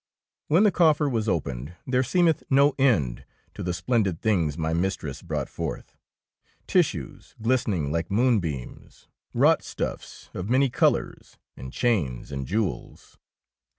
^ When the coffer was opened, there seemeth no end to the splendid things my mistress brought forth, — tissues glis 4f6 THE ROBE OF THE DUCHESS tening like moonbeans, wrought stuffs of many colours, and chains and jewels.